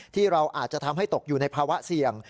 ที่เราอาจจะทำให้ตกอยู่ในภาวะเสี่ยง